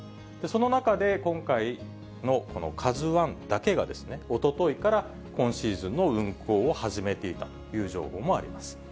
その中で、今回のこのカズワンだけが、おとといから今シーズンの運航を始めていたという情報もあります。